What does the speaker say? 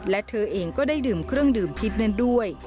และเธอเองก็ได้ดื่มเครื่องดื่มพิษนั้นด้วย